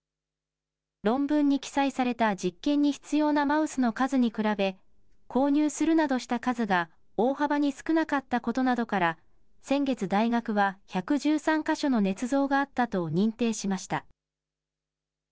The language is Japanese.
論文に記載された実験に必要なマウスの数に比べ、購入するなどした数が大幅に少なかったことなどから、先月大学は、１１３か所のねつ造があったと認定しました。